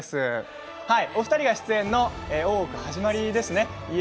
お二人が出演の「大奥」始まりですね。